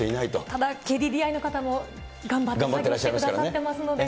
ただ、ＫＤＤＩの方も頑張ってやってくださってますので。